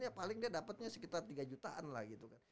ya paling dia dapatnya sekitar tiga jutaan lah gitu kan